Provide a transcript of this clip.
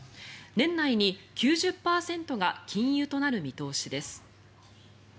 年内に９０％が禁輸となる見通しです。